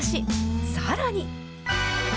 さらに。